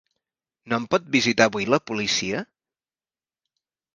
No em pot visitar avui la policia?